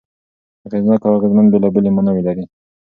اغېزناک او اغېزمن بېلابېلې ماناوې لري.